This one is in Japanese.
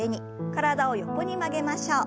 体を横に曲げましょう。